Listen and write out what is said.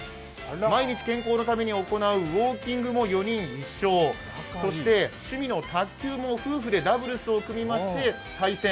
毎日健康のために行うウォーキングも４人一緒、そして趣味の卓球も夫婦でダブルスを組みまして対戦。